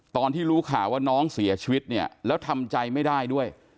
ตอนที่รู้ข่าวว่าน้องเสียชีวิตเนี่ยแล้วทำใจไม่ได้ด้วย